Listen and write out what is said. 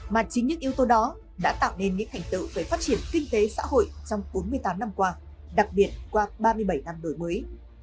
mà chính những yếu tố đó đã tạo nên những thành tựu về phát triển kinh tế xã hội trong bốn mươi tám năm qua đặc biệt qua ba mươi bảy năm đổi mới